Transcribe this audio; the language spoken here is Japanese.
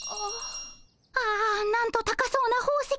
ああなんと高そうな宝石。